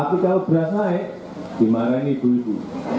tapi kalau beras naik dimarahi ibu ibu